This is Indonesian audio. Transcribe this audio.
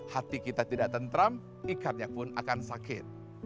hati kita tidak tentram ikannya pun akan sakit